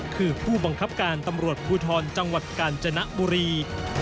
คือผู้บังคับการตำรวจภูทรจังหวัดกาญจนบุรี